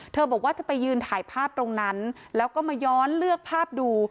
บอกว่าเธอไปยืนถ่ายภาพตรงนั้นแล้วก็มาย้อนเลือกภาพดู